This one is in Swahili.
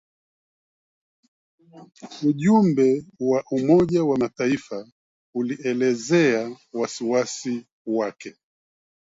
Ujumbe wa Umoja wa Mataifa ulielezea wasiwasi wake